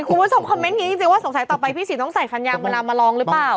คุณผู้ชมคอมเมนต์นี้จริงว่าสงสัยต่อไปพี่ศรีต้องใส่ฟันยางเวลามาลองหรือเปล่า